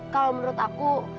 kalau menurut aku